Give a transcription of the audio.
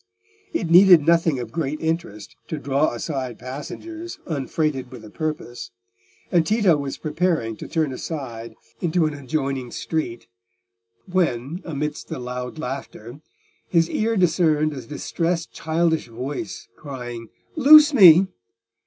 It needed nothing of great interest to draw aside passengers unfreighted with a purpose, and Tito was preparing to turn aside into an adjoining street, when, amidst the loud laughter, his ear discerned a distressed childish voice crying, "Loose me!